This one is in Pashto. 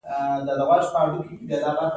په دې اړه کتاب ته مراجعه وکړئ.